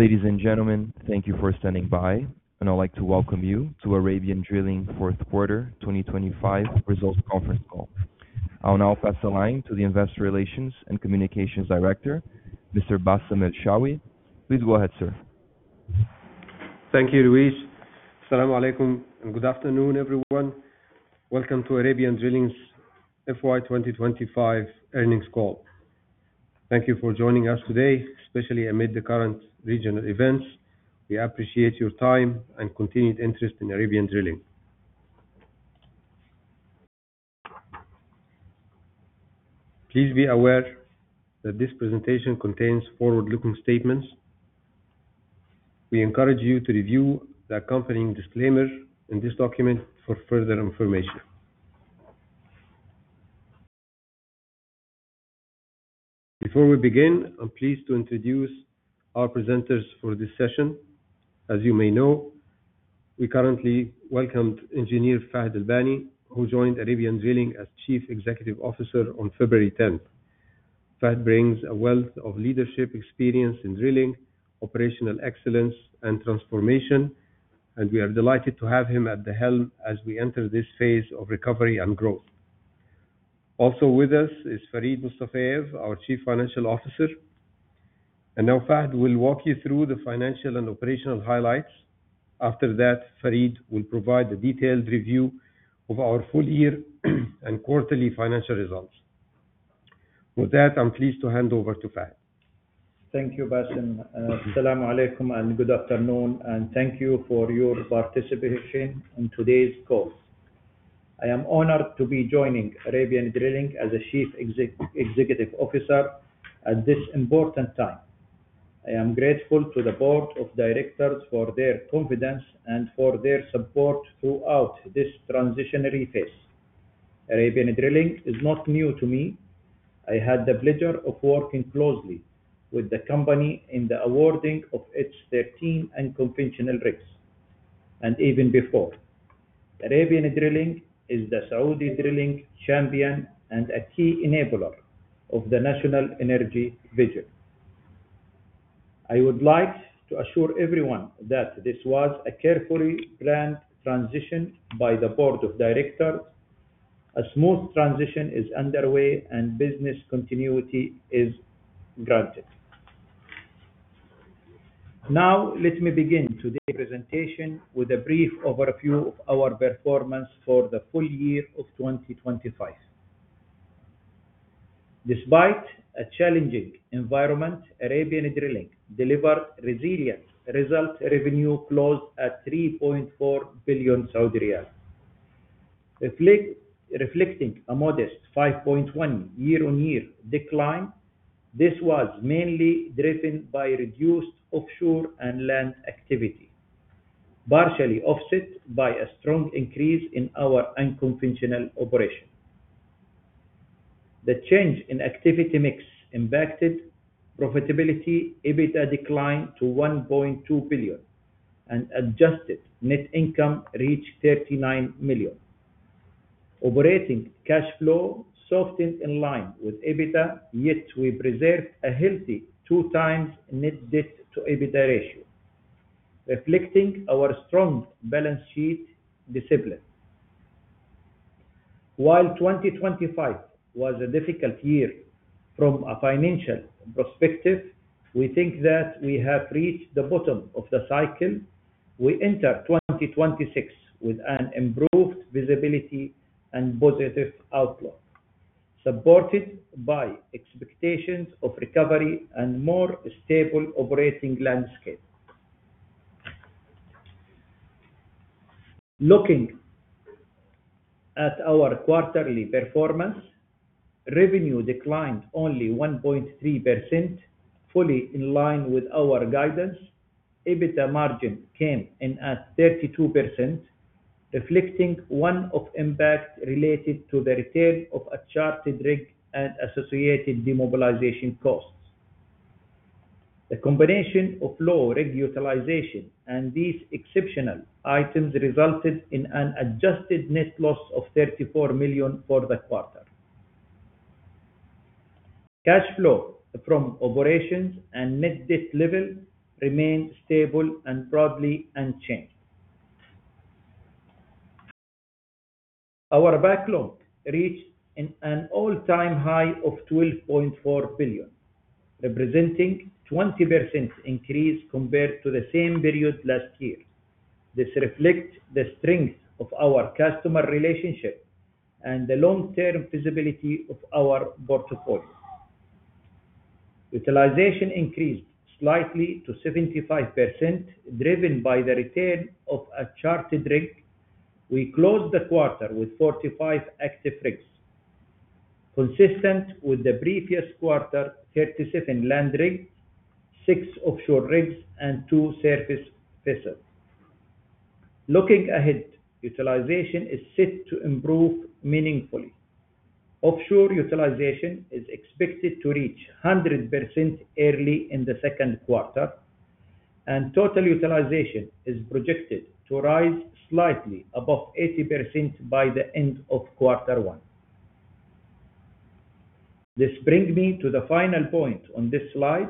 Ladies and gentlemen, thank you for standing by, and I'd like to welcome you to Arabian Drilling Fourth Quarter 2025 results conference call. I'll now pass the line to the Investor Relations and Communications Director, Mr. Bassem El-Shawy. Please go ahead, sir. Thank you, Luis. Salam alaikum and good afternoon, everyone. Welcome to Arabian Drilling's FY 2025 earnings call. Thank you for joining us today, especially amid the current regional events. We appreciate your time and continued interest in Arabian Drilling. Please be aware that this presentation contains forward-looking statements. We encourage you to review the accompanying disclaimer in this document for further information. Before we begin, I'm pleased to introduce our presenters for this session. As you may know, we currently welcomed Engineer Fahad Al-Bani, who joined Arabian Drilling as Chief Executive Officer on February 10th. Fahd brings a wealth of leadership experience in drilling, operational excellence, and transformation. We are delighted to have him at the helm as we enter this phase of recovery and growth. Also with us is Farid Mustafayev, our Chief Financial Officer. Now Fahd will walk you through the financial and operational highlights. After that, Farid will provide a detailed review of our full year and quarterly financial results. With that, I'm pleased to hand over to Fahd. Thank you, Bassam. Salam alaikum and good afternoon. Thank you for your participation in today's call. I am honored to be joining Arabian Drilling as the Chief Executive Officer at this important time. I am grateful to the board of directors for their confidence and for their support throughout this transitionary phase. Arabian Drilling is not new to me. I had the pleasure of working closely with the company in the awarding of its 13 unconventional rigs and even before. Arabian Drilling is the Saudi drilling champion and a key enabler of the national energy vision. I would like to assure everyone that this was a carefully planned transition by the board of directors. A smooth transition is underway and business continuity is granted. Now, let me begin today's presentation with a brief overview of our performance for the full year of 2025. Despite a challenging environment, Arabian Drilling delivered resilient results. Revenue closed at 3.4 billion Saudi riyal. Reflecting a modest 5.1% year-on-year decline, this was mainly driven by reduced offshore and land activity, partially offset by a strong increase in our unconventional operation. The change in activity mix impacted profitability. EBITDA declined to 1.2 billion and adjusted net income reached 39 million. Operating cash flow softened in line with EBITDA, yet we preserved a healthy 2 times net debt to EBITDA ratio, reflecting our strong balance sheet discipline. While 2025 was a difficult year from a financial perspective, we think that we have reached the bottom of the cycle. We enter 2026 with an improved visibility and positive outlook, supported by expectations of recovery and more stable operating landscape. Looking at our quarterly performance, revenue declined only 1.3%, fully in line with our guidance. EBITDA margin came in at 32%, reflecting one-off impact related to the return of a chartered rig and associated demobilization costs. The combination of low rig utilization and these exceptional items resulted in an adjusted net loss of 34 million for the quarter. Cash flow from operations and net debt level remained stable and broadly unchanged. Our backlog reached an all-time high of 12.4 billion, representing 20% increase compared to the same period last year. This reflects the strength of our customer relationship and the long-term feasibility of our portfolio. Utilization increased slightly to 75%, driven by the return of a chartered rig. We closed the quarter with 45 active rigs. Consistent with the previous quarter, 37 land rigs, six offshore rigs, and two surface vessels. Looking ahead, utilization is set to improve meaningfully. Offshore utilization is expected to reach 100% early in the second quarter. Total utilization is projected to rise slightly above 80% by the end of quarter one. This brings me to the final point on this slide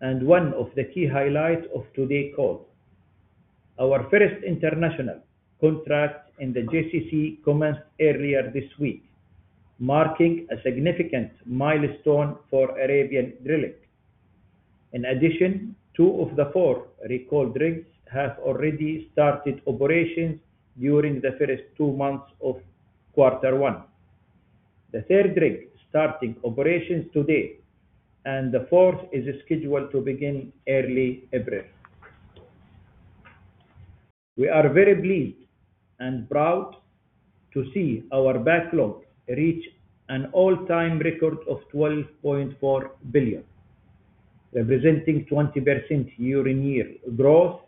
and one of the key highlights of today's call. Our first international contract in the GCC commenced earlier this week, marking a significant milestone for Arabian Drilling. In addition, two of the four recalled rigs have already started operations during the first two months of quarter one. The third rig starting operations today, the fourth is scheduled to begin early April. We are very pleased and proud to see our backlog reach an all-time record of 12.4 billion, representing 20% year-on-year growth.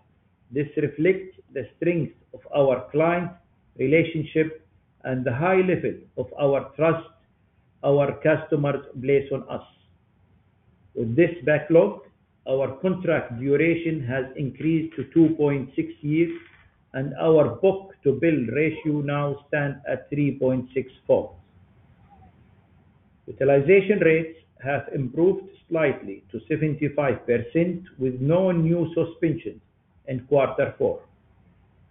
This reflects the strength of our client relationship and the high level of our trust our customers place on us. With this backlog, our contract duration has increased to 2.6 years, and our book-to-bill ratio now stands at 3.64. Utilization rates have improved slightly to 75% with no new suspensions in quarter four,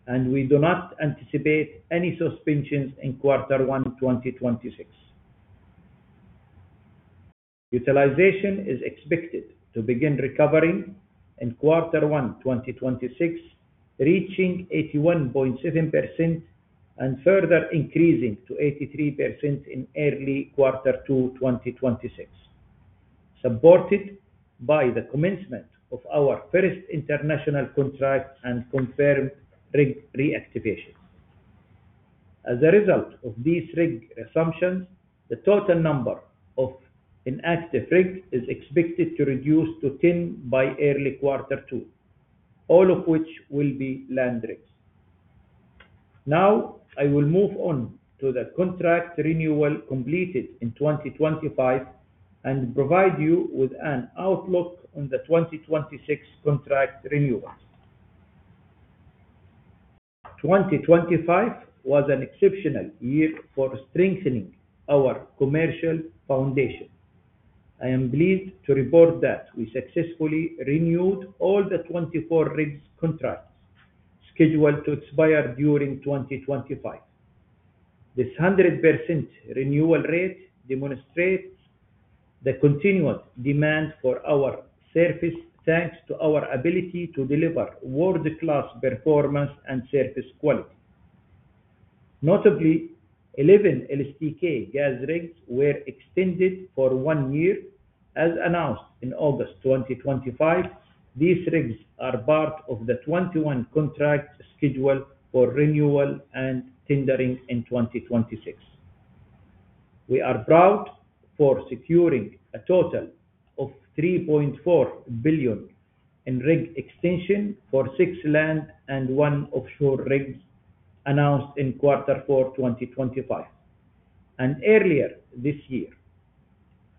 and we do not anticipate any suspensions in quarter one, 2026. Utilization is expected to begin recovering in quarter one, 2026, reaching 81.7% and further increasing to 83% in early quarter two, 2026, supported by the commencement of our first international contract and confirmed rig reactivation. As a result of these rig assumptions, the total number of inactive rigs is expected to reduce to 10 by early quarter two, all of which will be land rigs. I will move on to the contract renewal completed in 2025 and provide you with an outlook on the 2026 contract renewals. 2025 was an exceptional year for strengthening our commercial foundation. I am pleased to report that we successfully renewed all the 24 rigs contracts scheduled to expire during 2025. This 100% renewal rate demonstrates the continuous demand for our service, thanks to our ability to deliver world-class performance and service quality. Notably, 11 LSTK gas rigs were extended for one year. As announced in August 2025, these rigs are part of the 21 contracts scheduled for renewal and tendering in 2026. We are proud for securing a total of 3.4 billion in rig extension for six land and one offshore rigs announced in quarter four, 2025 and earlier this year.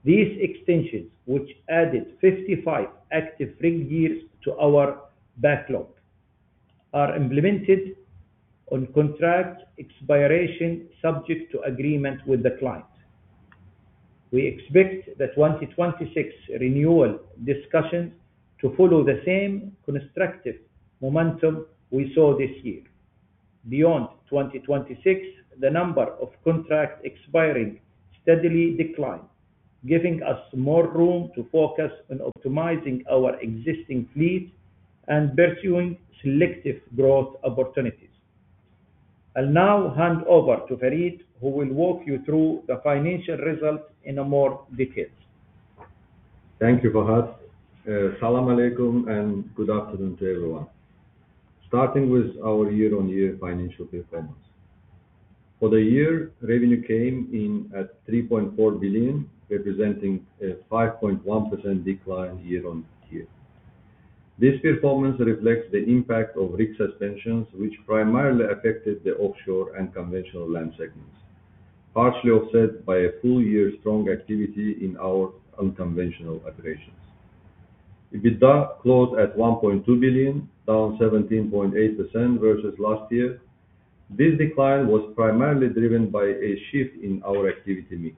These extensions, which added 55 active rig years to our backlog, are implemented on contract expiration subject to agreement with the client. We expect the 2026 renewal discussions to follow the same constructive momentum we saw this year. Beyond 2026, the number of contracts expiring steadily decline, giving us more room to focus on optimizing our existing fleet and pursuing selective growth opportunities. I'll now hand over to Farid, who will walk you through the financial results in more detail. Thank you, Fahad. Salaam alaykum, and good afternoon to everyone. Starting with our year-on-year financial performance. For the year, revenue came in at 3.4 billion, representing a 5.1% decline year-on-year. This performance reflects the impact of rig suspensions, which primarily affected the offshore and conventional land segments, partially offset by a full year strong activity in our unconventional operations. EBITDA closed at 1.2 billion, down 17.8% versus last year. This decline was primarily driven by a shift in our activity mix,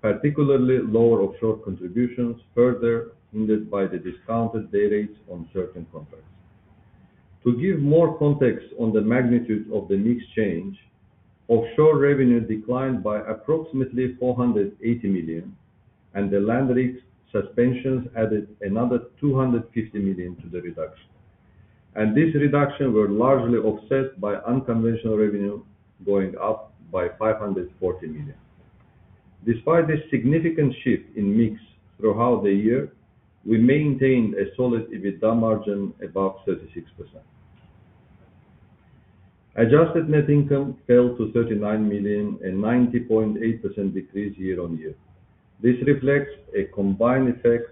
particularly lower offshore contributions, further hindered by the discounted day rates on certain contracts. To give more context on the magnitude of the mix change, offshore revenue declined by approximately 480 million, and the land rig suspensions added another 250 million to the reduction. This reduction were largely offset by unconventional revenue going up by 540 million. Despite this significant shift in mix throughout the year, we maintained a solid EBITDA margin above 36%. Adjusted net income fell to 39 million, a 90.8% decrease year-on-year. This reflects a combined effect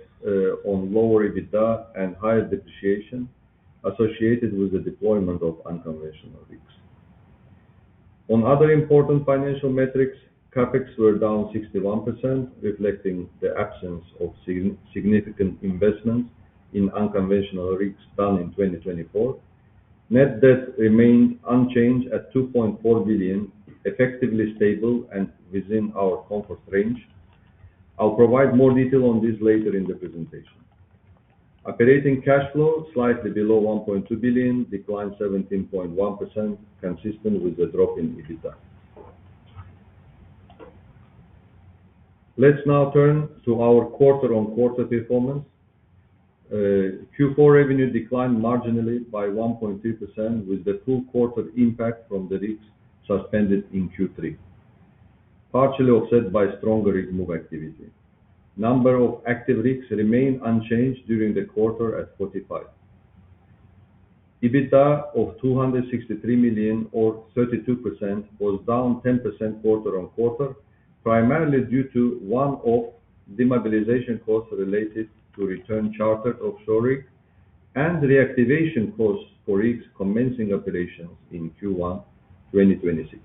on lower EBITDA and higher depreciation associated with the deployment of unconventional rigs. On other important financial metrics, CapEx were down 61%, reflecting the absence of significant investments in unconventional rigs done in 2024. Net debt remained unchanged at 2.4 billion, effectively stable and within our comfort range. I'll provide more detail on this later in the presentation. Operating cash flow slightly below 1.2 billion, declined 17.1%, consistent with the drop in EBITDA. Let's now turn to our quarter-on-quarter performance. Q4 revenue declined marginally by 1.3% with the full quarter impact from the rigs suspended in Q3, partially offset by stronger rig move activity. Number of active rigs remain unchanged during the quarter at 45. EBITDA of 263 million or 32% was down 10% quarter-on-quarter, primarily due to one-off demobilization costs related to return charter of shore rig and reactivation costs for rigs commencing operations in Q1 2026.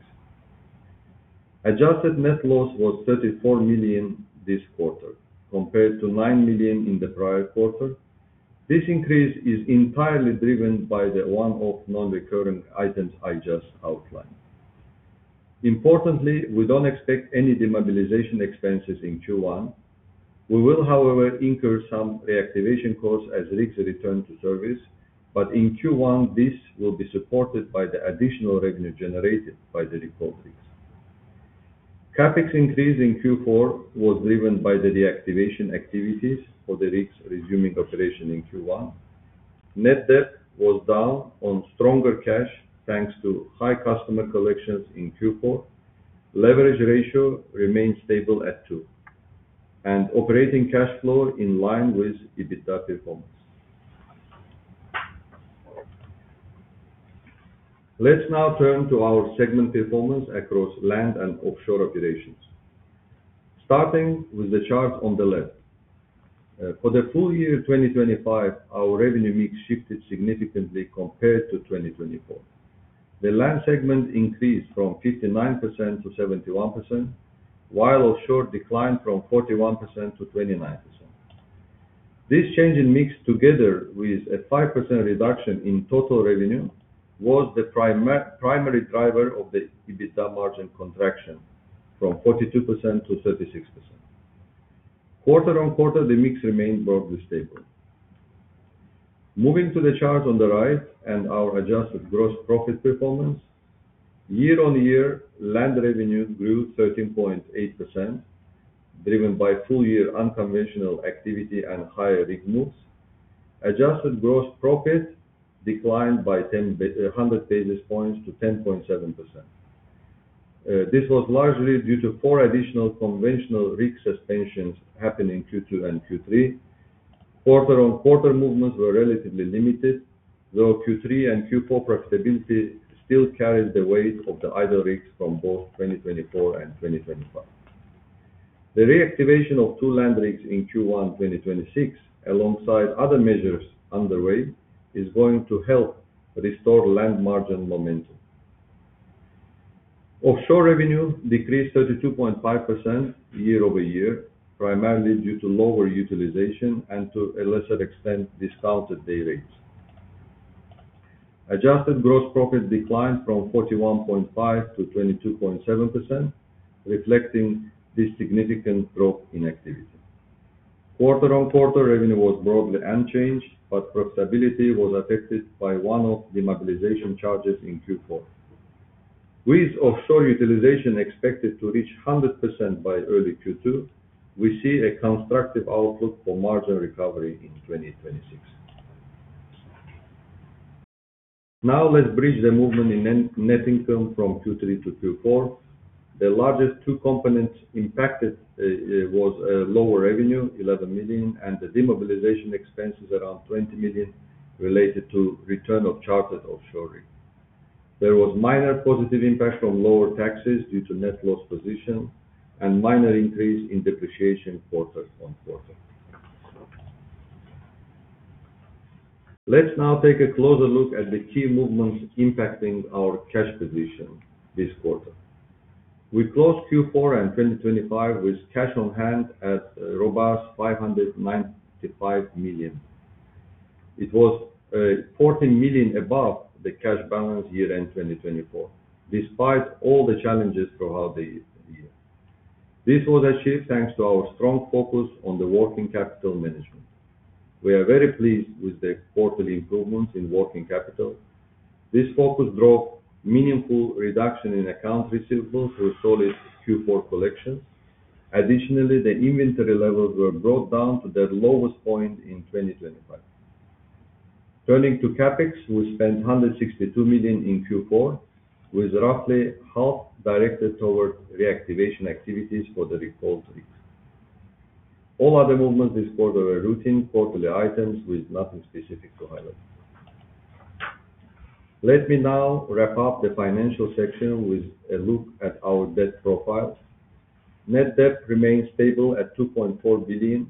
Adjusted net loss was 34 million this quarter compared to 9 million in the prior quarter. This increase is entirely driven by the one-off non-recurring items I just outlined. Importantly, we don't expect any demobilization expenses in Q1. We will, however, incur some reactivation costs as rigs return to service. In Q1 this will be supported by the additional revenue generated by the default rigs. CapEx increase in Q4 was driven by the reactivation activities for the rigs resuming operation in Q1. Net debt was down on stronger cash, thanks to high customer collections in Q4. Leverage ratio remains stable at two. Operating cash flow in line with EBITDA performance. Let's now turn to our segment performance across land and offshore operations. Starting with the chart on the left. For the full year 2025, our revenue mix shifted significantly compared to 2024. The land segment increased from 59% to 71%, while offshore declined from 41% to 29%. This change in mix, together with a 5% reduction in total revenue, was the primary driver of the EBITDA margin contraction from 42% to 36%. Quarter-on-quarter, the mix remained broadly stable. Moving to the chart on the right and our adjusted gross profit performance. Year-over-year, land revenues grew 13.8%, driven by full-year unconventional activity and higher rig moves. Adjusted gross profit declined by 100 basis points to 10.7%. This was largely due to four additional conventional rig suspensions happening in Q2 and Q3. Quarter-over-quarter movements were relatively limited, though Q3 and Q4 profitability still carries the weight of the idle rigs from both 2024 and 2025. The reactivation of two land rigs in Q1 2026, alongside other measures underway, is going to help restore land margin momentum. Offshore revenue decreased 32.5% year-over-year, primarily due to lower utilization and to a lesser extent, discounted dayrates. Adjusted gross profit declined from 41.5% to 22.7%, reflecting this significant drop in activity. Quarter-on-quarter revenue was broadly unchanged. Profitability was affected by one of demobilization charges in Q4. With offshore utilization expected to reach 100% by early Q2, we see a constructive outlook for margin recovery in 2026. Let's bridge the movement in net income from Q3 to Q4. The largest two components impacted, was lower revenue, 11 million, and the demobilization expenses around 20 million related to return of chartered offshore rig. There was minor positive impact from lower taxes due to net loss position and minor increase in depreciation quarter-on-quarter. Let's now take a closer look at the key movements impacting our cash position this quarter. We closed Q4 and 2025 with cash on-hand at a robust 595 million. It was 14 million above the cash balance year-end 2024, despite all the challenges throughout the year. This was achieved thanks to our strong focus on the working capital management. We are very pleased with the quarterly improvements in working capital. This focus drove meaningful reduction in account receivables through solid Q4 collections. The inventory levels were brought down to their lowest point in 2025. Turning to CapEx, we spent 162 million in Q4, with roughly half directed toward reactivation activities for the default rigs. All other movements this quarter were routine quarterly items with nothing specific to highlight. Let me now wrap up the financial section with a look at our debt profiles. Net debt remains stable at 2.4 billion,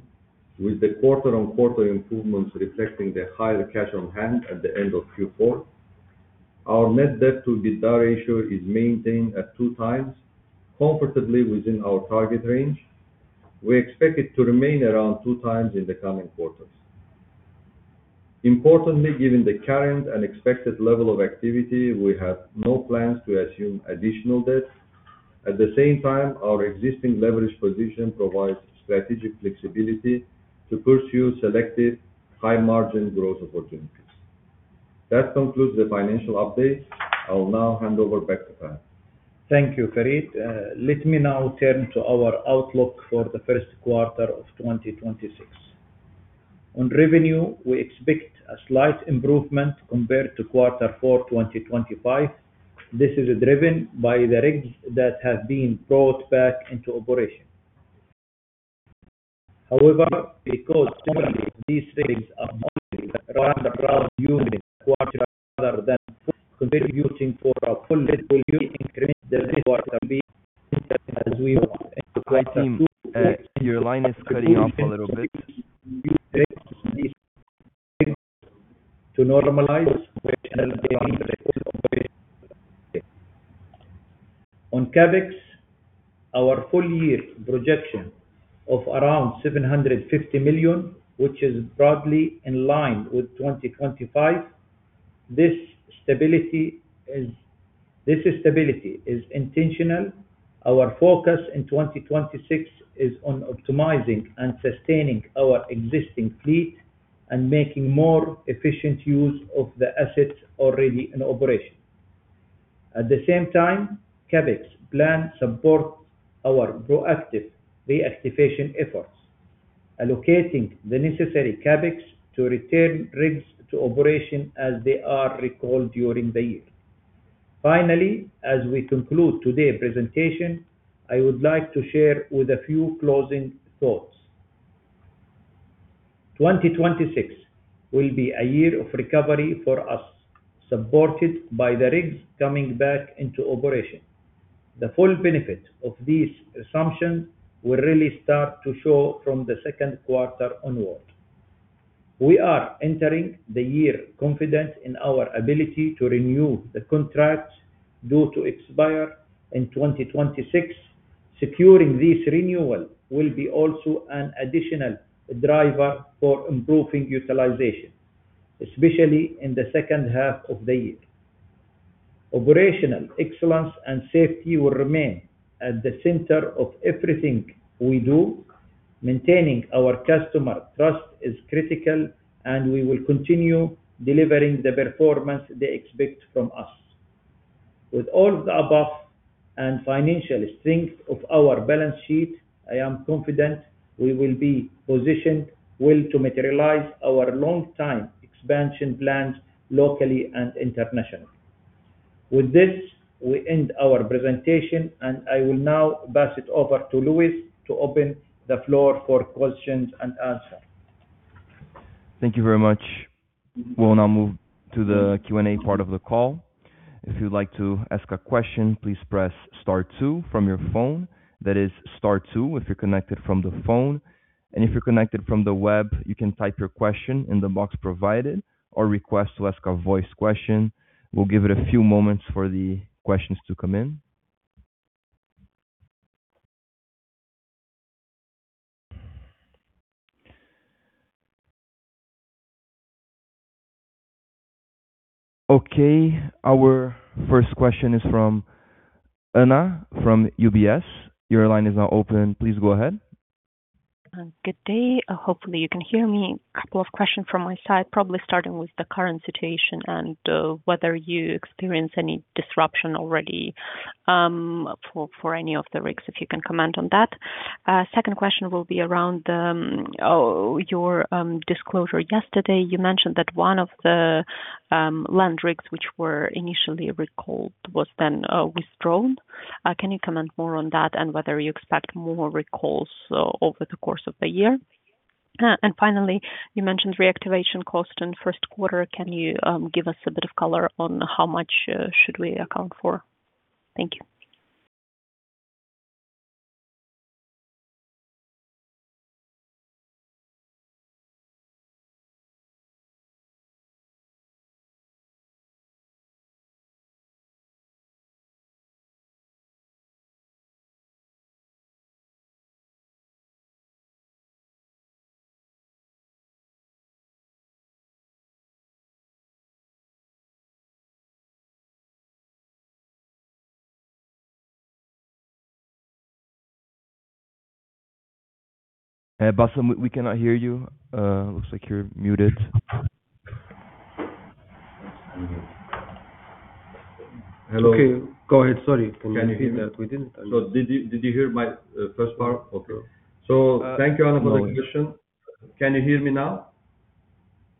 with the quarter-on-quarter improvements reflecting the higher cash on-hand at the end of Q4. Our net debt to EBITDA ratio is maintained at 2x, comfortably within our target range. We expect it to remain around 2x in the coming quarters. Importantly, given the current and expected level of activity, we have no plans to assume additional debt. At the same time, our existing leverage position provides strategic flexibility to pursue selected high margin growth opportunities. That concludes the financial update. I will now hand over back to Fahd. Thank you, Farid. Let me now turn to our outlook for the first quarter of 2026. On revenue, we expect a slight improvement compared to quarter four, 2025. This is driven by the rigs that have been brought back into operation. However, because currently these rigs are mostly run at around unit quarter rather than contributing for a full year increment this quarter being weaker than we want. In quarter two. I think, your line is cutting off a little bit. To normalize operational performance. On CapEx, our full year projection of around 750 million, which is broadly in line with 2025. This stability is intentional. Our focus in 2026 is on optimizing and sustaining our existing fleet and making more efficient use of the assets already in operation. CapEx plan supports our proactive reactivation efforts, allocating the necessary CapEx to return rigs to operation as they are recalled during the year. As we conclude today's presentation, I would like to share with a few closing thoughts. 2026 will be a year of recovery for us, supported by the rigs coming back into operation. The full benefit of these assumptions will really start to show from the second quarter onward. We are entering the year confident in our ability to renew the contracts due to expire in 2026. Securing this renewal will be also an additional driver for improving utilization, especially in the second half of the year. Operational excellence and safety will remain at the center of everything we do. Maintaining our customer trust is critical, and we will continue delivering the performance they expect from us. With all the above and financial strength of our balance sheet, I am confident we will be positioned well to materialize our long time expansion plans locally and internationally. With this, we end our presentation, and I will now pass it over to Lewis to open the floor for questions and answer. Thank you very much. We'll now move to the Q&A part of the call. If you'd like to ask a question, please press star two from your phone. That is star two if you're connected from the phone, and if you're connected from the web, you can type your question in the box provided or request to ask a voice question. We'll give it a few moments for the questions to come in. Okay, our first question is from Anna, from UBS. Your line is now open. Please go ahead. Good day. Hopefully you can hear me. A couple of questions from my side, probably starting with the current situation and whether you experience any disruption already for any of the rigs. If you can comment on that. Second question will be around your disclosure yesterday. You mentioned that one of the land rigs which were initially recalled was then withdrawn. Can you comment more on that and whether you expect more recalls over the course of the year? Finally, you mentioned reactivation cost in first quarter. Can you give us a bit of color on how much should we account for? Thank you. Bassam, we cannot hear you. Looks like you're muted. Hello. Okay, go ahead. Sorry. Can you hear me? Can you hear me now, Quentin? Did you hear my first part? Okay. Thank you Anna for the question. Can you hear me now?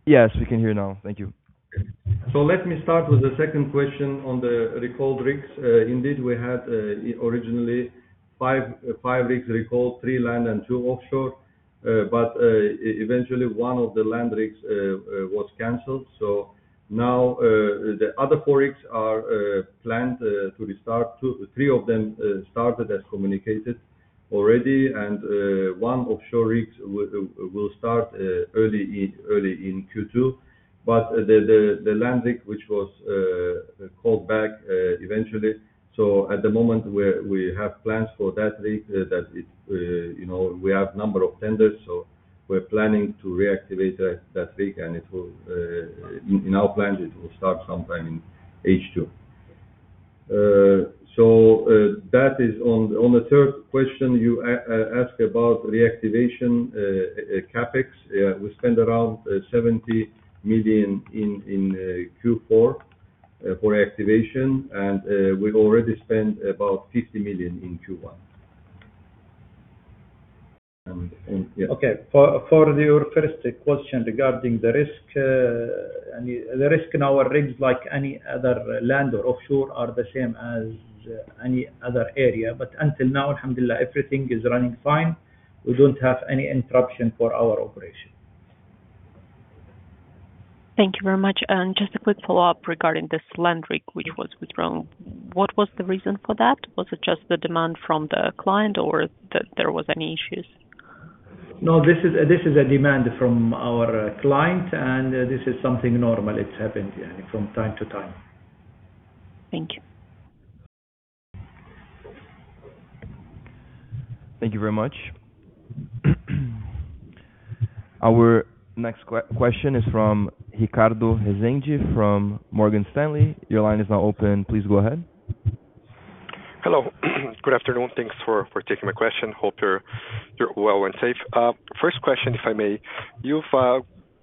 Yes, we can hear now. Thank you. Let me start with the 2nd question on the recalled rigs. Indeed, we had originally five rigs recalled, three land and two offshore. Eventually one of the land rigs was canceled. Now the other four rigs are planned to restart. Three of them started as communicated already. One offshore rigs will start early in Q2. The land rig, which was called back eventually. At the moment we have plans for that rig, that it, you know, we have number of tenders. We're planning to reactivate that rig, and it will in our plans, it will start sometime in H2. That is on the 3rd question you ask about reactivation CapEx. We spend around 70 million in Q4, for activation. We've already spent about 50 million in Q1. Yeah. Okay. For your first question regarding the risk. The risk in our rigs, like any other land or offshore, are the same as any other area. Until now, Alhamdulillah, everything is running fine. We don't have any interruption for our operation. Thank you very much. Just a quick follow-up regarding this land rig which was withdrawn. What was the reason for that? Was it just the demand from the client or that there was any issues? No, this is a demand from our client. This is something normal. It happens, yeah, from time to time. Thank you. Thank you very much. Our next question is from Ricardo Rezende from Morgan Stanley. Your line is now open. Please go ahead. Hello. Good afternoon. Thanks for taking my question. Hope you're well and safe. First question, if I may. You've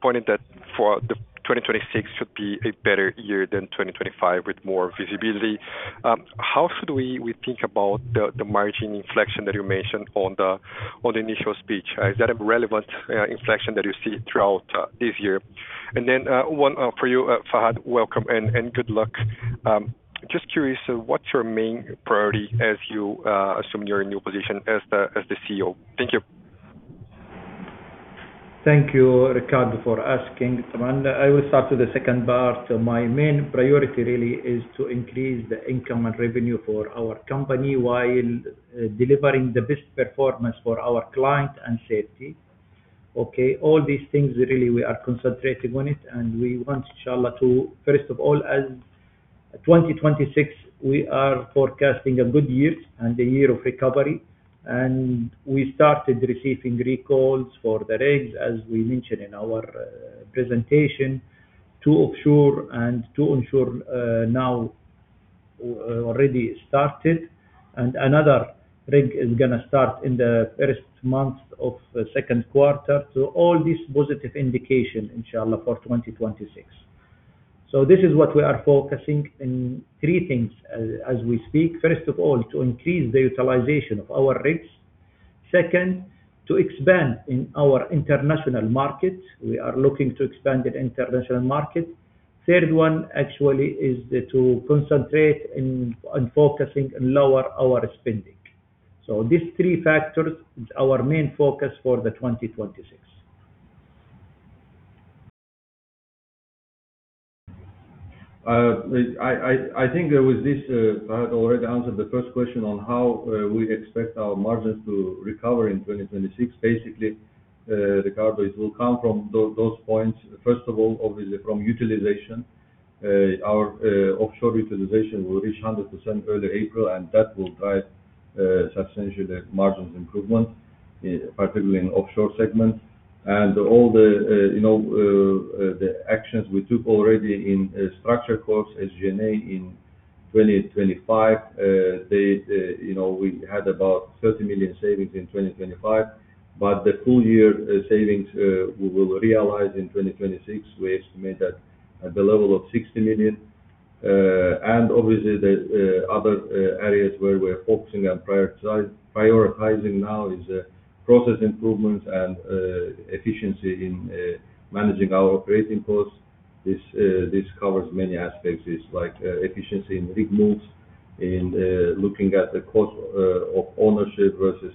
pointed that for 2026 should be a better year than 2025 with more visibility. How should we think about the margin inflection that you mentioned on the initial speech? Is that a relevant inflection that you see throughout this year? Then one for you, Fahad, welcome and good luck. Just curious, what's your main priority as you assume your new position as the CEO? Thank you. Thank you, Ricardo, for asking. I will start with the second part. My main priority really is to increase the income and revenue for our company while delivering the best performance for our client and safety. Okay. All these things, really, we are concentrating on it, and we want, Inshallah, to first of all, as 2026, we are forecasting a good year and a year of recovery. We started receiving recalls for the rigs, as we mentioned in our presentation, to offshore and to onshore, now already started. Another rig is gonna start in the first month of the second quarter. All these positive indication, Inshallah, for 2026. This is what we are focusing in three things as we speak. First of all, to increase the utilization of our rigs. Second, to expand in our international markets. We are looking to expand in international markets. Third one, actually, is to concentrate in on focusing and lower our spending. These three factors is our main focus for 2026. I think with this, I had already answered the first question on how we expect our margins to recover in 2026. Basically, Ricardo, it will come from those points. First of all, obviously from utilization. Our offshore utilization will reach 100% early April, and that will drive substantially the margins improvement, particularly in offshore segment. All the, you know, the actions we took already in structure costs as Janet in 2025, they, you know, we had about 30 million savings in 2025. The full year savings we will realize in 2026, we estimate that at the level of 60 million. Obviously the other areas where we're focusing and prioritizing now is process improvements and efficiency in managing our operating costs. This covers many aspects. It's like efficiency in rig moves, in looking at the cost of ownership versus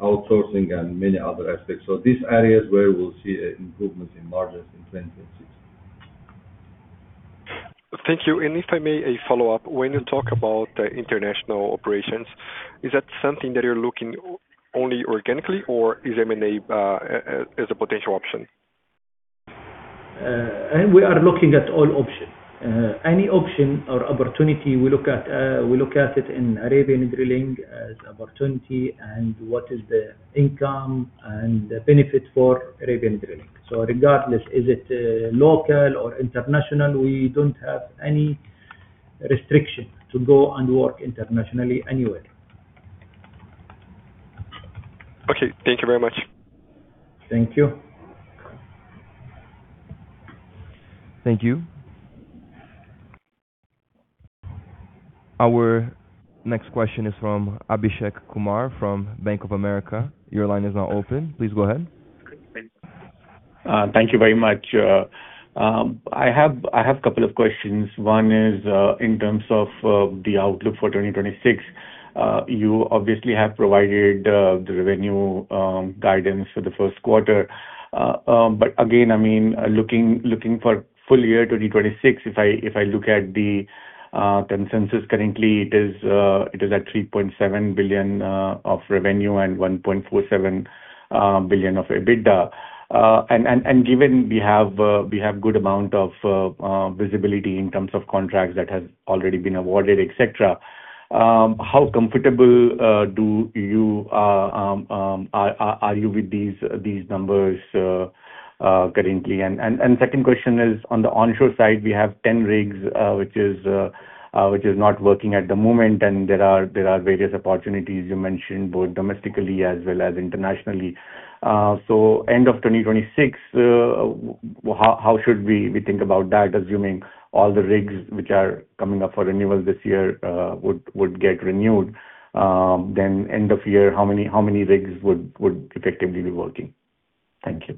outsourcing and many other aspects. These areas where we'll see improvements in margins in 2026. Thank you. If I may, a follow-up. When you talk about the international operations, is that something that you're looking only organically or is M&A as a potential option? We are looking at all options. Any option or opportunity we look at, we look at it in Arabian Drilling as opportunity and what is the income and the benefit for Arabian Drilling. Regardless, is it, local or international, we don't have any restriction to go and work internationally anywhere. Okay. Thank you very much. Thank you. Thank you. Our next question is from Abhishek Kumar from Bank of America. Your line is now open. Please go ahead. Thank you very much. I have a couple of questions. One is in terms of the outlook for 2026. You obviously have provided the revenue guidance for the first quarter. Again, I mean, looking for full year 2026, if I look at the consensus currently it is at 3.7 billion of revenue and 1.47 billion of EBITDA. Given we have good amount of visibility in terms of contracts that has already been awarded, et cetera. How comfortable are you with these numbers currently? Second question is on the onshore side, we have 10 rigs, which is not working at the moment, and there are various opportunities you mentioned, both domestically as well as internationally. End of 2026, how should we think about that assuming all the rigs which are coming up for renewal this year, would get renewed. End of year, how many rigs would effectively be working? Thank you.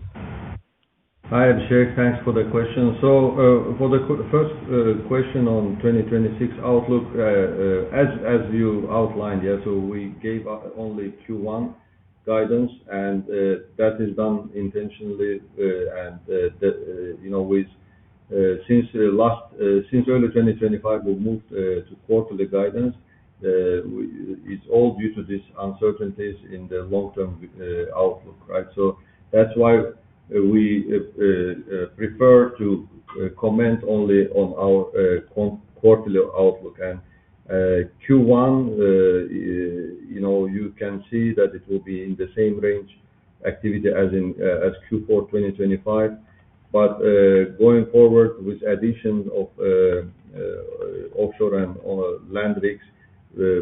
Hi, Ghassan Mirdad. Thanks for the question. For the first question on 2026 outlook, as you outlined, yeah, we gave up only Q1 guidance and that is done intentionally. And the, you know, with, since last, since early 2025, we moved to quarterly guidance. It's all due to these uncertainties in the long-term outlook, right? That's why we prefer to comment only on our quarterly outlook. Q1, you know, you can see that it will be in the same range activity as in as Q4 2025. Going forward with addition of offshore and land rigs,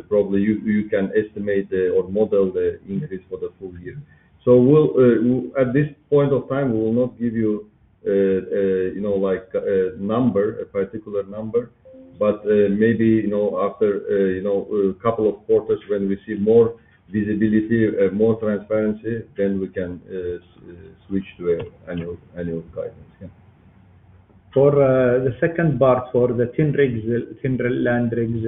probably you can estimate the, or model the increase for the full year. We'll... At this point of time, we will not give you know, like a number, a particular number, but maybe, you know, after, you know, a couple of quarters when we see more visibility, more transparency, then we can switch to annual guidance. Yeah. The second part, for the 10 rigs, 10 land rigs,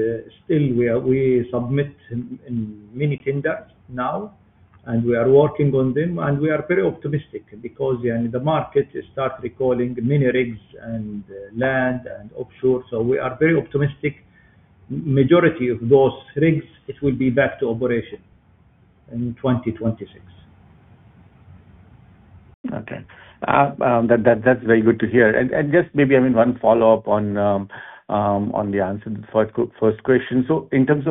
still we are. We submit in many tenders now. We are working on them. We are very optimistic because, you know, the market start recalling many rigs and land and offshore. We are very optimistic. Majority of those rigs, it will be back to operation in 2026. Okay. That's very good to hear. Just maybe, I mean, one follow-up on the answer to the first question. In terms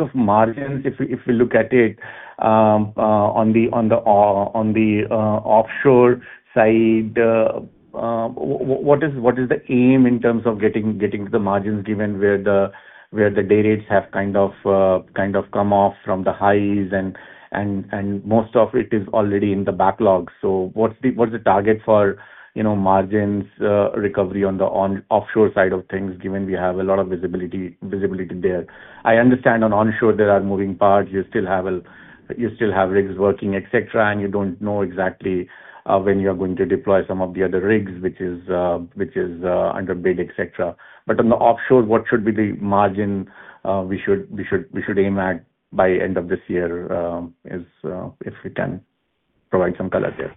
of margins, if we look at it on the offshore side, what is the aim in terms of getting the margins given where the day rates have kind of come off from the highs and most of it is already in the backlog. What's the target for, you know, margins recovery on the offshore side of things, given we have a lot of visibility there? I understand on onshore there are moving parts. You still have rigs working, et cetera, and you don't know exactly, when you are going to deploy some of the other rigs, which is, which is, underbid, et cetera. On the offshore, what should be the margin, we should aim at by end of this year, if we can provide some color there?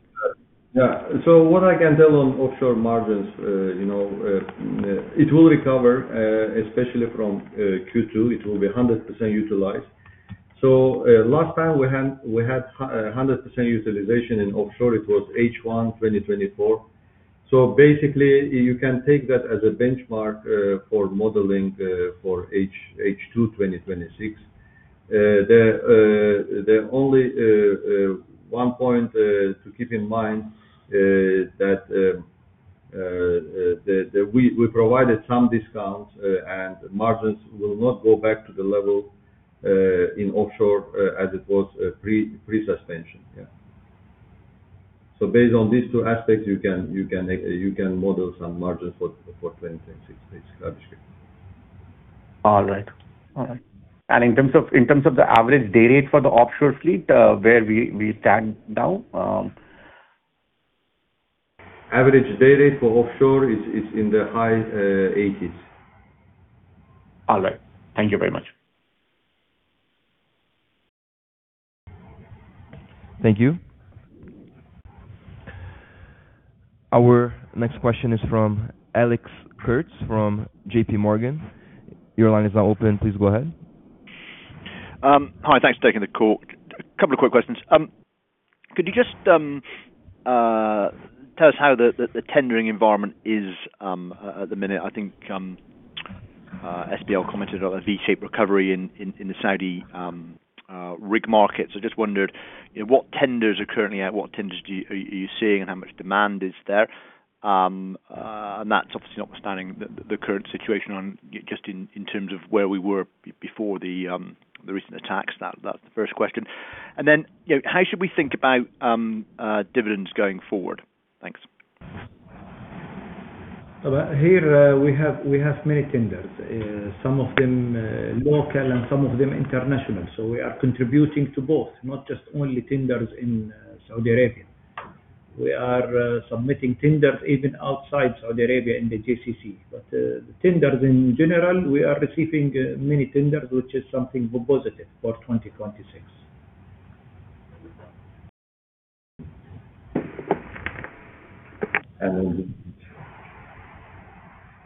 Yeah. What I can tell on offshore margins, you know, it will recover, especially from Q2, it will be 100% utilized. Last time we had 100% utilization in offshore, it was H1 2024. Basically, you can take that as a benchmark for modeling for H2 2026. The only one point to keep in mind that we provided some discounts, and margins will not go back to the level in offshore as it was pre-suspension. Yeah. Based on these two aspects, you can make, you can model some margins for 2026, it's realistic. All right. All right. In terms of the average day rate for the offshore fleet, where we stand now? Average day rate for offshore is in the high $80s. All right. Thank you very much. Thank you. Our next question is from Alex Kurtz from JPMorgan. Your line is now open. Please go ahead. Hi. Thanks for taking the call. A couple of quick questions. Could you just tell us how the tendering environment is at the minute? I think SLB commented on a V-shaped recovery in the Saudi rig market. I just wondered, you know, what tenders are currently out, what tenders are you seeing, and how much demand is there? That's obviously notwithstanding the current situation on just in terms of where we were before the recent attacks. That's the first question. You know, how should we think about dividends going forward? Thanks. Here, we have many tenders, some of them, local and some of them international. We are contributing to both, not just only tenders in Saudi Arabia. We are submitting tenders even outside Saudi Arabia in the GCC. The tenders in general, we are receiving many tenders, which is something positive for 2026.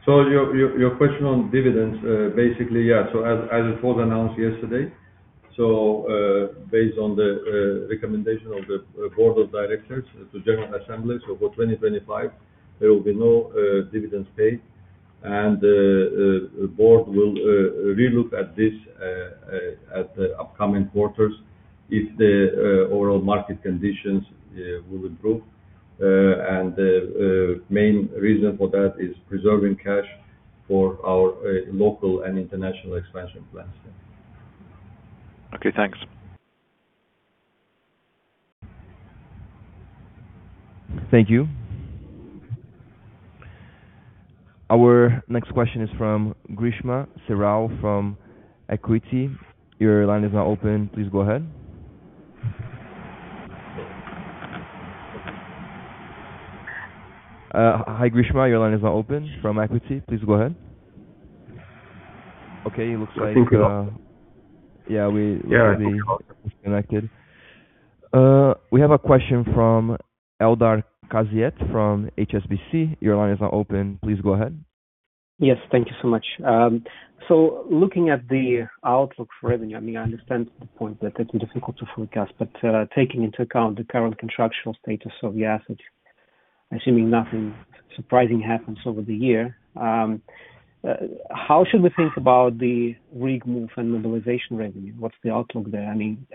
Your question on dividends, basically, yeah. As it was announced yesterday. So, based on the recommendation of the board of directors to general assembly, for 2025, there will be no dividends paid. The board will re-look at this at the upcoming quarters if the overall market conditions will improve. The main reason for that is preserving cash for our local and international expansion plans. Okay, thanks. Thank you. Our next question is from Grishma Syal from Equity. Your line is now open. Please go ahead. Hi, Grishma. Your line is now open from Equity. Please go ahead. Okay, it looks like, I think we got- Yeah. Yeah. disconnected. We have a question from Eldar Kaziev from HSBC. Your line is now open. Please go ahead. Yes. Thank you so much. Looking at the outlook for revenue, I mean, I understand the point that it's difficult to forecast. Taking into account the current contractual status of the assets, assuming nothing surprising happens over the year, how should we think about the rig move and mobilization revenue? What's the outlook there? I mean,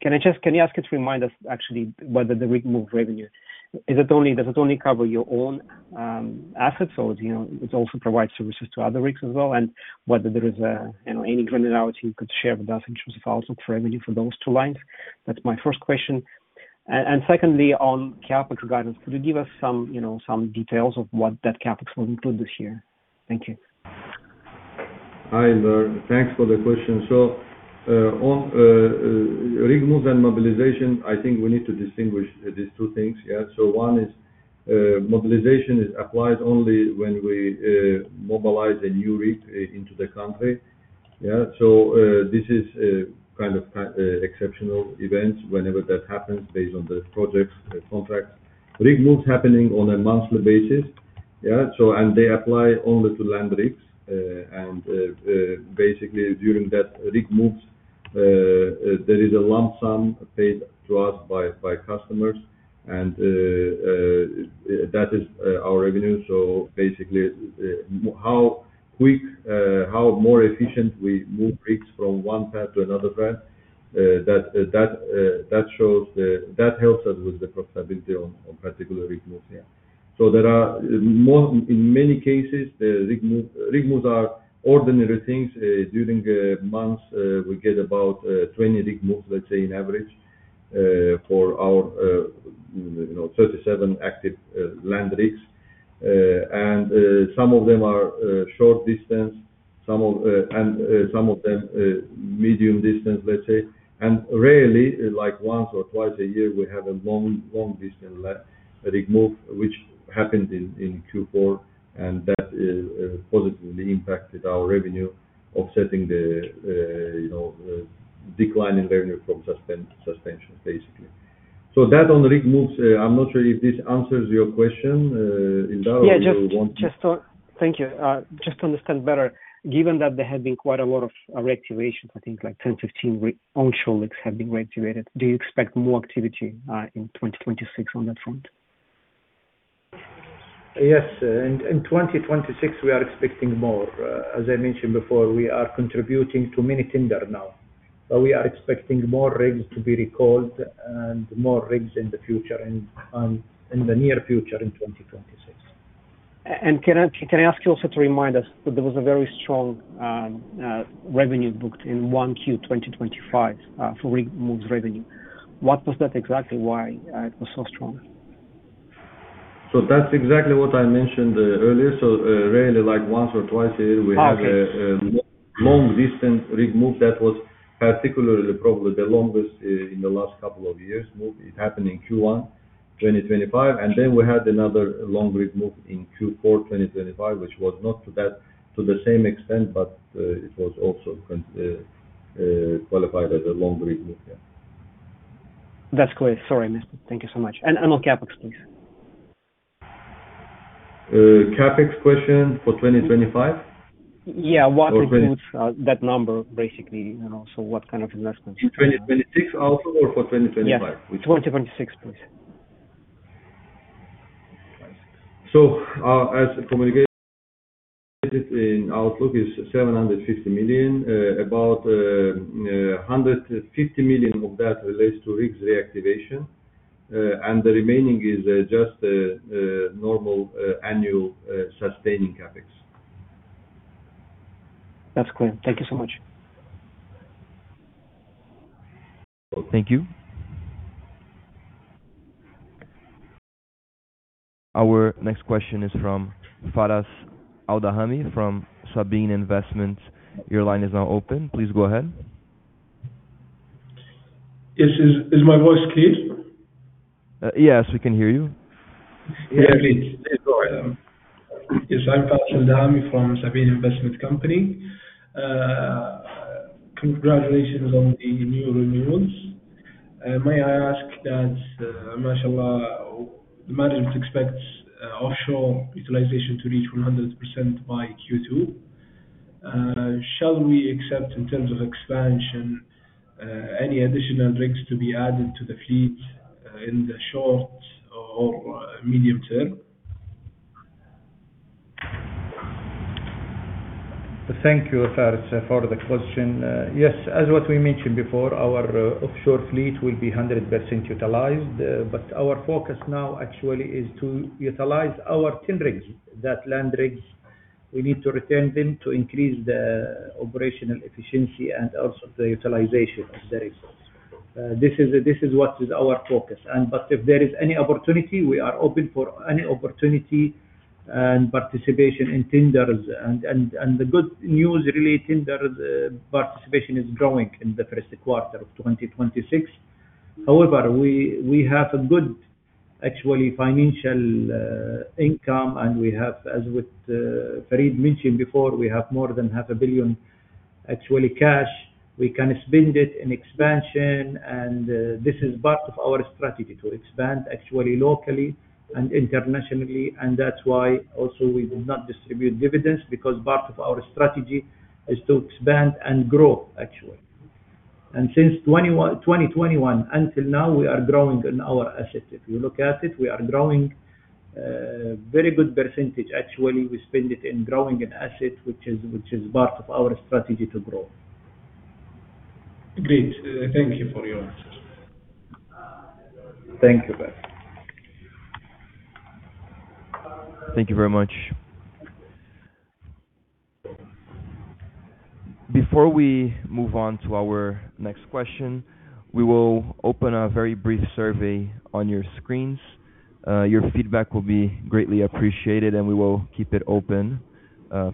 can you ask you to remind us actually whether the rig move revenue, does it only cover your own assets or, you know, it also provides services to other rigs as well? Whether there is, you know, any granularity you could share with us in terms of outlook for revenue for those two lines. That's my first question. Secondly, on CapEx guidance, could you give us some, you know, some details of what that CapEx will include this year? Thank you. Hi, Eldar. Thanks for the question. On rig moves and mobilization, I think we need to distinguish these two things. Yeah. One is mobilization is applied only when we mobilize a new rig into the country. Yeah. This is kind of exceptional events whenever that happens based on the project's contracts. Rig moves happening on a monthly basis. Yeah. And they apply only to land rigs. And basically, during that rig moves, there is a lump sum paid to us by customers. And that is our revenue. Basically, how quick, how more efficient we move rigs from one pad to another pad, that helps us with the profitability on particular rig moves. Yeah. In many cases, the rig move, rig moves are ordinary things. During months, we get about 20 rig moves, let's say, in average, for our, you know, 37 active land rigs. Some of them are short distance, and some of them medium distance, let's say. Rarely, like once or twice a year, we have a long, long-distance rig move, which happened in Q4, and that positively impacted our revenue, offsetting the, you know, decline in revenue from suspension, basically. That on rig moves. I'm not sure if this answers your question, Eldar. Just to. Thank you. Just to understand better, given that there have been quite a lot of reactivations, I think like 10 onshore, 15 onshore rigs have been reactivated, do you expect more activity in 2026 on that front? Yes. In 2026, we are expecting more. As I mentioned before, we are contributing to many tender now. We are expecting more rigs to be recalled and more rigs in the future and in the near future, in 2026. Can I ask you also to remind us that there was a very strong revenue booked in 1Q 2025 for rig moves revenue. What was that exactly? Why, it was so strong? That's exactly what I mentioned, earlier. Really like once or twice a year we have. Okay. a long-distance rig move that was particularly probably the longest in the last couple of years move. It happened in Q1 2025. Then we had another long rig move in Q4 2025, which was not to that, to the same extent, but it was also qualified as a long rig move. That's clear. Sorry, I missed it. Thank you so much. On CapEx, please. CapEx question for 2025? Yeah. Or twenty- What drives, that number basically, you know, what kind of investments? For 2026 also or for 2025? Yeah. 2026, please. As communicated in outlook is 750 million, about 150 million of that relates to rigs reactivation. The remaining is just normal annual sustaining CapEx. That's clear. Thank you so much. Thank you. Our next question is from Fares Al-Dahayan from Sabeen Investment. Your line is now open. Please go ahead. Is my voice clear? Yes, we can hear you. Yeah. Please go ahead. Yes, I'm Feras Al-Dahham from Sabeen Investment Company. Congratulations on the new renewals. May I ask that, mashallah, management expects offshore utilization to reach 100% by Q2? Shall we accept in terms of expansion any additional rigs to be added to the fleet in the short or medium term? Thank you, Fares, for the question. Yes, as what we mentioned before, our offshore fleet will be 100% utilized. Our focus now actually is to utilize our 10 rigs, that land rigs. We need to return them to increase the operational efficiency and also the utilization of the rigs. This is what is our focus. If there is any opportunity, we are open for any opportunity and participation in tenders. The good news really tender participation is growing in the first quarter of 2026. However, we have a good actually financial income, and we have as with Fareed mentioned before, we have more than half a billion SAR actually cash. We can spend it in expansion. This is part of our strategy to expand actually locally and internationally. That's why also we will not distribute dividends because part of our strategy is to expand and grow actually. Since 2021 until now we are growing in our assets. If you look at it, we are growing very good percentage. Actually, we spend it in growing an asset which is part of our strategy to grow. Great. Thank you for your answers. Thank you, Fares. Thank you very much. Before we move on to our next question, we will open a very brief survey on your screens. Your feedback will be greatly appreciated, and we will keep it open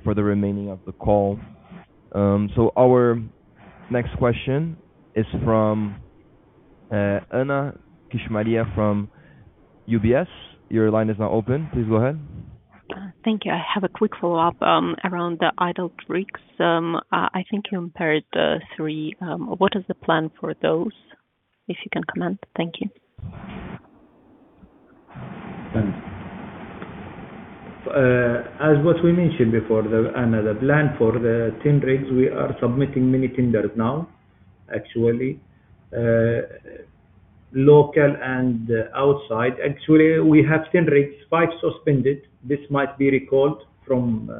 for the remaining of the call. Our next question is from Anna Kislitsyna from UBS. Your line is now open. Please go ahead. Thank you. I have a quick follow-up, around the idle rigs. I think you impaired, three. What is the plan for those, if you can comment? Thank you. Thanks. As what we mentioned before, Anna, the plan for the 10 rigs, we are submitting many tenders now, actually, local and outside. Actually, we have 10 rigs, five suspended. This might be recalled from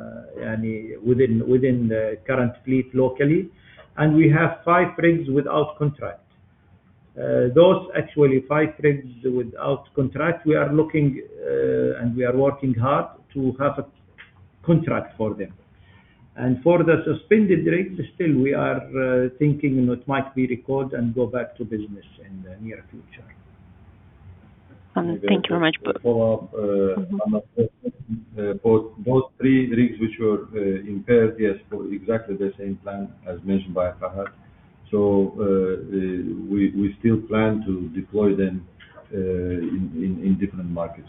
any within the current fleet locally. We have five rigs without contract. Those actually five rigs without contract, we are looking and we are working hard to have a contract for them. For the suspended rigs, still we are thinking it might be recalled and go back to business in the near future. Thank you very much. Follow-up. Mm-hmm. Both pre-rigs which were impaired. Yes, for exactly the same plan as mentioned by Fahd. We still plan to deploy them in different markets,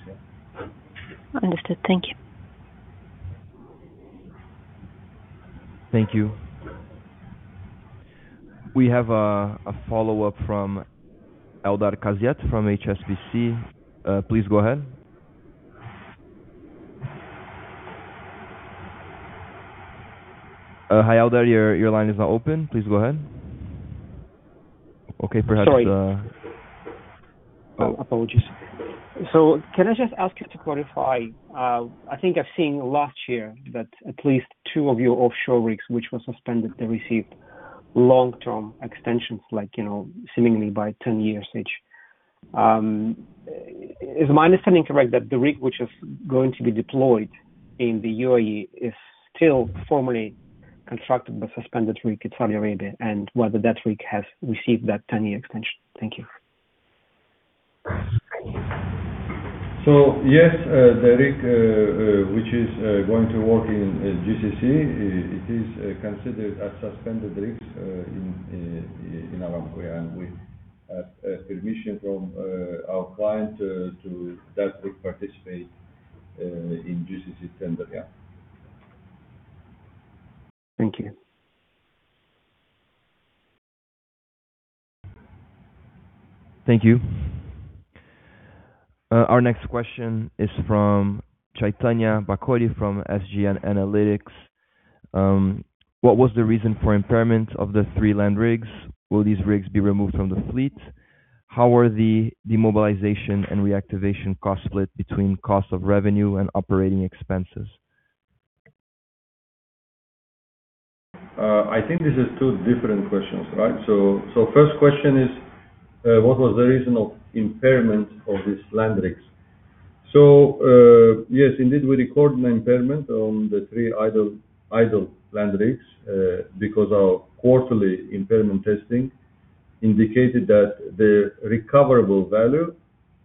yeah. Understood. Thank you. Thank you. We have a follow-up from Eldar Kaziev from HSBC. Please go ahead. Hi, Eldar, your line is now open. Please go ahead. Okay. Sorry. Uh. Apologies. Can I just ask you to clarify? I think I've seen last year that at least two of your offshore rigs, which were suspended, they received long-term extensions like, you know, seemingly by 10 years each. Is my understanding correct that the rig which is going to be deployed in the UAE is still formally constructed but suspended rig in Saudi Arabia, and whether that rig has received that 10-year extension? Thank you. Yes, the rig, which is going to work in GCC, it is considered as suspended rigs in Aramco. We have permission from our client to that rig participate in GCC tender. Yeah. Thank you. Thank you. Our next question is from Chaitanya Bahety from SG Analytics. What was the reason for impairment of the three land rigs? Will these rigs be removed from the fleet? How were the demobilization and reactivation costs split between cost of revenue and operating expenses? I think this is two different questions, right? First question is, what was the reason of impairment of these land rigs? Yes, indeed, we record an impairment on the three idle land rigs because our quarterly impairment testing indicated that the recoverable value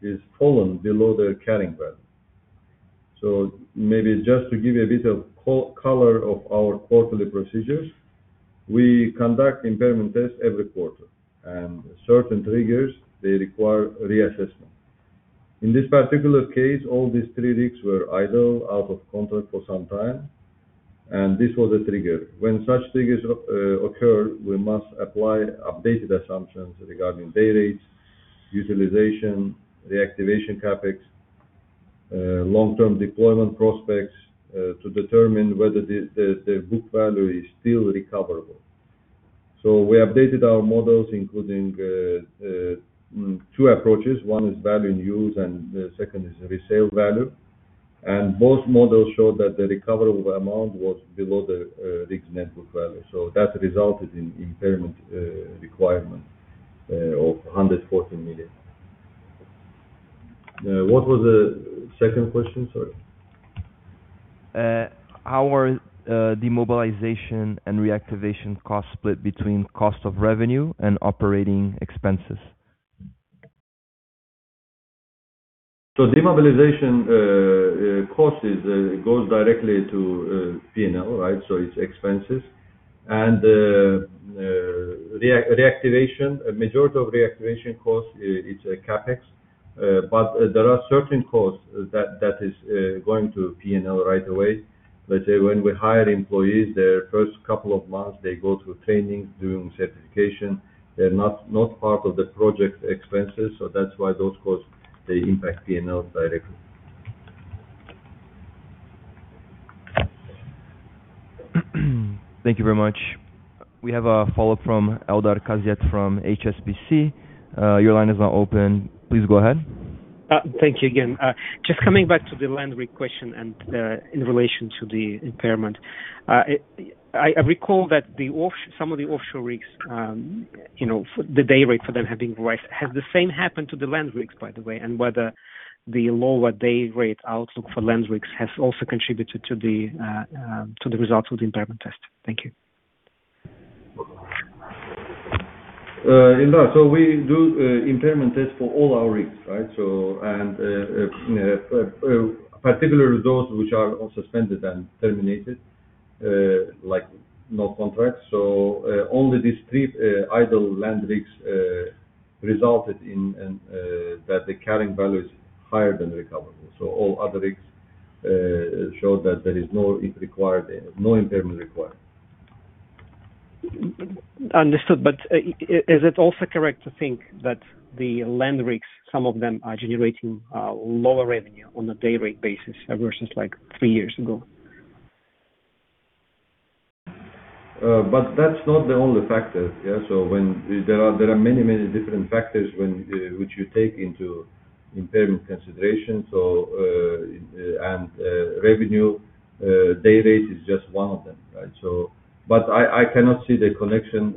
is fallen below their carrying value. Maybe just to give you a bit of color of our quarterly procedures, we conduct impairment tests every quarter. Certain triggers, they require reassessment. In this particular case, all these three rigs were idle out of contract for some time. This was a trigger. When such triggers occur, we must apply updated assumptions regarding day rates, utilization, reactivation CapEx, long-term deployment prospects, to determine whether the book value is still recoverable. We updated our models, including two approaches. One is value in use, and the second is resale value. Both models showed that the recoverable amount was below the rigs net book value. That resulted in impairment requirement of 140 million. What was the second question? Sorry. How are demobilization and reactivation costs split between cost of revenue and operating expenses? Demobilization costs is goes directly to PNL, right? It's expenses. Reactivation, a majority of reactivation costs, it's a CapEx. There are certain costs that is going to PNL right away. Let's say when we hire employees, their first couple of months, they go through training, doing certification. They're not part of the project expenses, so that's why those costs, they impact PNL directly. Thank you very much. We have a follow-up from Eldar Kaziev from HSBC. Your line is now open. Please go ahead. Thank you again. Just coming back to the land rig question and in relation to the impairment. I recall that some of the offshore rigs, you know, for the day rate for them have been raised. Has the same happened to the land rigs, by the way, and whether the lower day rate outlook for land rigs has also contributed to the results of the impairment test? Thank you. Eldar, we do impairment test for all our rigs, right? Particularly those which are all suspended and terminated, like no contracts. Only these three idle land rigs resulted in that the carrying value is higher than recoverable. All other rigs showed that there is no rig required, no impairment required. Understood. Is it also correct to think that the land rigs, some of them are generating lower revenue on a day rate basis versus, like, three years ago? That's not the only factor. There are many different factors when which you take into impairment consideration. Revenue day rate is just one of them, right? I cannot see the connection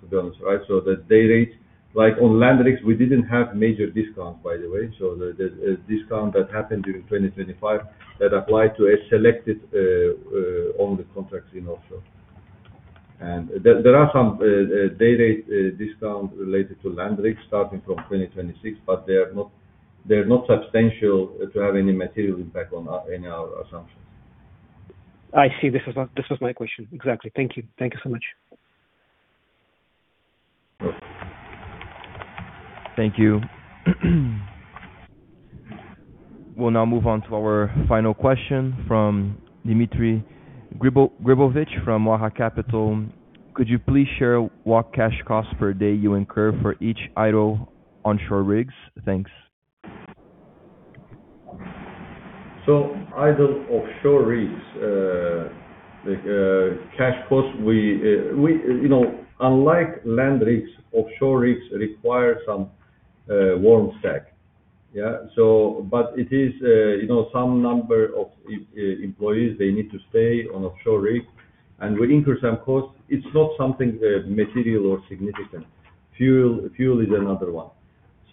to be honest, right? The day rates, like on land rigs, we didn't have major discounts, by the way. The discount that happened during 2025 that applied to a selected on the contracts in offshore. There are some day rate discount related to land rigs starting from 2026, but they are not substantial to have any material impact on any our assumptions. I see. This was my question. Exactly. Thank you so much. Thank you. We'll now move on to our final question from Dmitry Gribovich from Waha Capital. Could you please share what cash costs per day you incur for each idle onshore rigs? Thanks. Idle offshore rigs, cash costs. You know, unlike land rigs, offshore rigs require some warm stack. Yeah. But it is, you know, some number of employees, they need to stay on offshore rig, and we incur some costs. It's not something material or significant. Fuel is another one.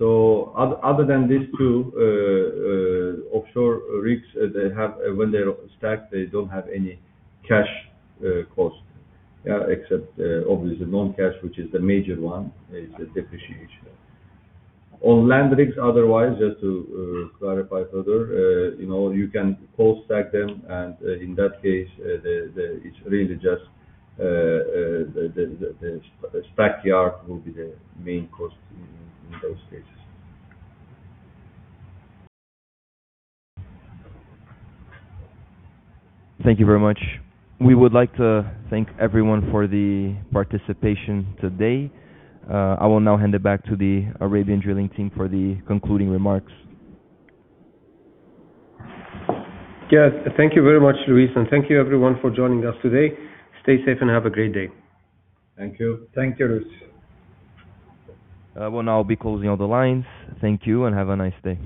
Other than these two, offshore rigs, they have. When they're stacked, they don't have any cash costs. Yeah. Except, obviously non-cash, which is the major one, is the depreciation. On land rigs, otherwise, just to clarify further, you know, you can cold stack them, and in that case, it's really just the stack yard will be the main cost in those cases. Thank you very much. We would like to thank everyone for the participation today. I will now hand it back to the Arabian Drilling team for the concluding remarks. Yes. Thank you very much, Luis, and thank you everyone for joining us today. Stay safe and have a great day. Thank you. Thank you, Luis. I will now be closing all the lines. Thank you and have a nice day.